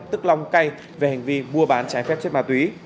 tức long cay về hành vi mua bán trái phép chất ma túy